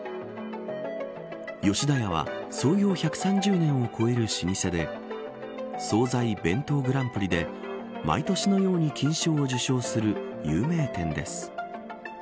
吉田屋は創業１３０年を超える老舗で惣菜・べんとうグランプリで毎年のように金賞を受賞する有名店です。